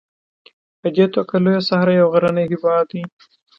په دې توګه لویه صحرا یو غرنی هېواد دی.